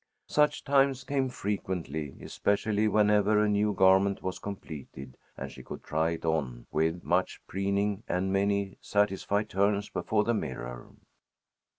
Such times came frequently, especially whenever a new garment was completed and she could try it on with much preening and many satisfied turns before the mirror.